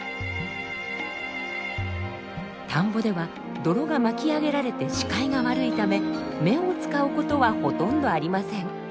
田んぼでは泥が巻き上げられて視界が悪いため目を使う事はほとんどありません。